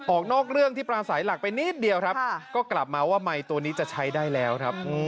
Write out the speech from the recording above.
ออกนอกเรื่องที่ปราศัยหลักไปนิดเดียวครับก็กลับมาว่าไมค์ตัวนี้จะใช้ได้แล้วครับ